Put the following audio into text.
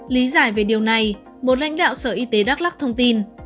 lý giải về điều này một lãnh đạo sở y tế đắk lắc thông tin